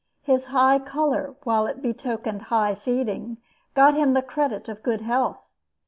His high color, while it betokened high feeding, got him the credit of good health.